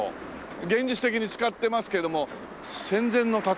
現実的に使ってますけども戦前の建物という事でね。